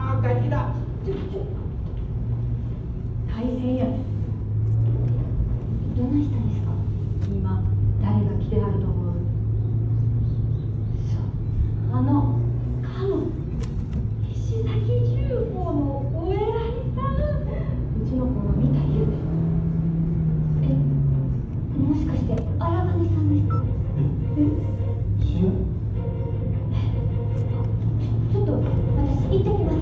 えちょちょっと私行ってきます。